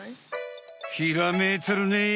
ひらめいてるね。